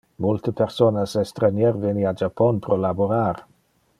Multe personas estranier veni a Japon pro laborar.